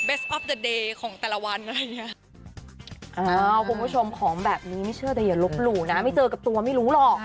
คุณผู้ชมของแบบนี้ไม่เชื่อแต่อย่าลบหลู่นะไม่เจอกับตัวไม่รู้หรอก